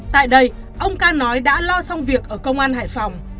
tại đây ông ca nói đã lo xong việc ở công an hải phòng